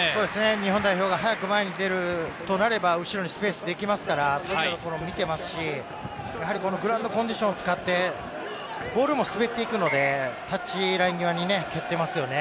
日本代表が早く出るとなるとスペースが裏にできますから見ていますし、グラウンドコンディションを使ってボールも滑っていくので、タッチライン際に蹴っていますよね。